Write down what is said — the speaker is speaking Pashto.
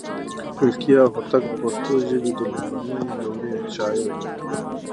ملکیار هوتک د پښتو ژبې د لومړنۍ دورې شاعر دی.